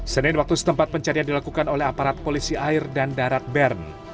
senin waktu setempat pencarian dilakukan oleh aparat polisi air dan darat bern